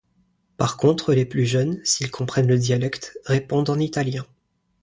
Par contre les plus jeunes, s'il comprennent le dialecte, répondent en italien.